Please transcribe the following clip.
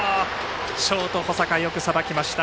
ショート保坂よくさばきました。